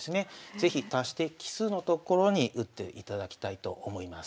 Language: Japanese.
是非足して奇数の所に打っていただきたいと思います。